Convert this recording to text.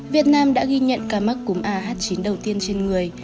việt nam đã ghi nhận ca mắc cúm ah chín đầu tiên trên người